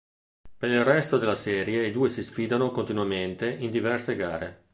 Per il resto della serie i due si sfidano continuamente in diverse gare.